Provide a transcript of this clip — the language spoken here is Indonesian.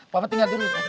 papa tinggal dulu